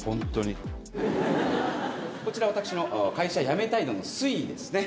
こちら私の会社やめたい度の推移ですね。